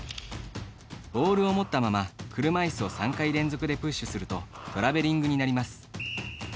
ボールを持ったまま、車いすを３回連続でプッシュするとトラベリングになります。